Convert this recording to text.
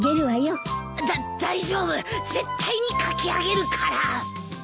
だっ大丈夫絶対に描き上げるから！